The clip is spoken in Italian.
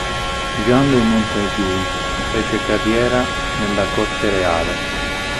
Jean de Montaigu fece carriera nella corte reale.